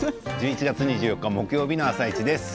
１１月２４日木曜日の「あさイチ」です。